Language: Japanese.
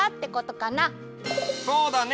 そうだね。